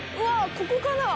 ここかな？